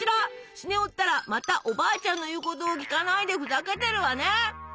スネ夫ったらまたおばあちゃんの言うことを聞かないでふざけてるわね。